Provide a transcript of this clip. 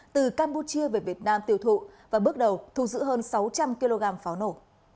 từ campuchia về việt nam tiêu thụ và bước đầu thu giữ hơn sáu trăm linh kg pháo nổ